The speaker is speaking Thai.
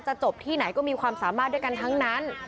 จบที่ไหนก็มีความสามารถด้วยกันทั้งนั้น